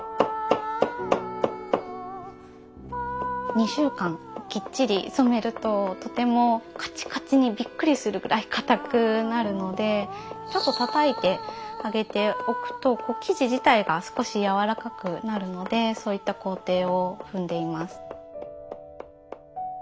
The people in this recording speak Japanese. ２週間きっちり染めるととてもカチカチにびっくりするぐらい硬くなるのでちょっとたたいてあげておくと生地自体が少し柔らかくなるのでそういった工程を踏んでいます。